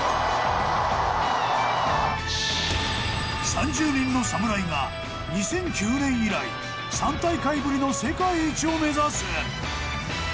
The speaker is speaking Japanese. ３０人の侍が２００９年以来３大会ぶりの世界一を目指す！